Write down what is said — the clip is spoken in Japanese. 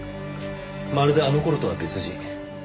まるであの頃とは別人。